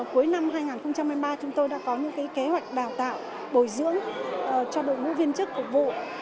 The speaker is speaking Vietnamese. cuối năm hai nghìn hai mươi ba chúng tôi đã có những kế hoạch đào tạo bồi dưỡng cho đội ngũ viên chức phục vụ